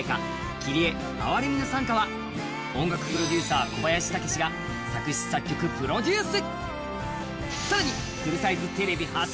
「キリエ・憐れみの讃歌」は音楽プロデューサー小林武史が作詞・作曲・プロデュース。